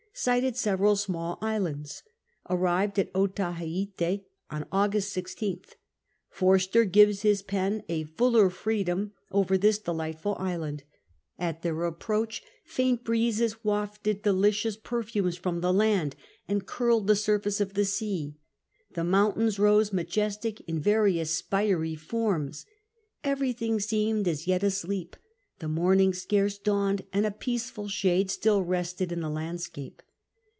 Sighted several small islands. Arrived at Otaheite on August 16th. Forster gives his pen a fuller freedom over this delightful island. At their approach "faint breezes wafted delicious per fumes from the land and curled the sui'facc of the sea. Tho moimUiins rose majestic in various spiry forms. Everything seemed as yet asleep, the morning scarce dawned, and a peaceful shade still rested in tho land scape."